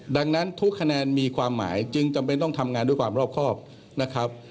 ดังนั้นทุกคะแนนมีความหมายจึงจำเป็นต้องทำงานด้วยความรอบครอบนะครับ